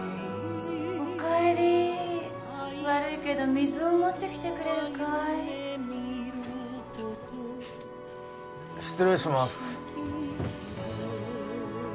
・お帰り悪いけど水を持ってきてくれるかい失礼します